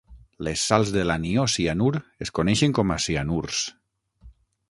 Les sals de l'anió cianur es coneixen com a cianurs.